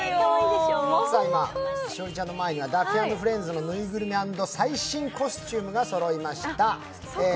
栞里ちゃんの前にはダッフィー＆フレンズの最新コスチュームがそろいました。